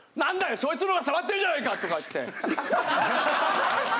そいつのほうが触ってるじゃないか！とかって。